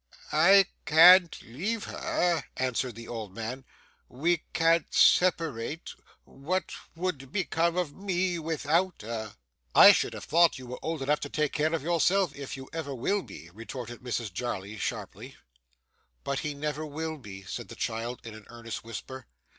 'I can't leave her,' answered the old man. 'We can't separate. What would become of me without her?' 'I should have thought you were old enough to take care of yourself, if you ever will be,' retorted Mrs Jarley sharply. 'But he never will be,' said the child in an earnest whisper.